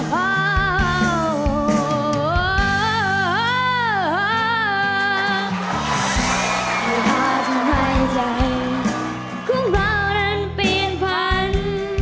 ให้พ่าร่วมให้ใจของเรานั้นเปลี่ยนพัน